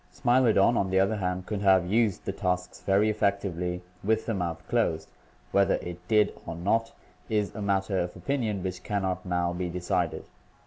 Smilo don, on the other hand, could have used the tusks very effectively with the mouth closed; whether it did or not is a matter of opinion which can not now be decided.